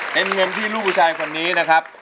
เป็นเงินที่ลูกผู้ชายคนนี้นะครับ